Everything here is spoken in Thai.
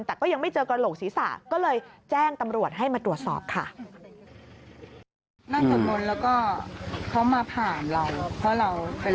แต่ก็ยังไม่เจอกระโหลกศีรษะก็เลยแจ้งตำรวจให้มาตรวจสอบค่ะ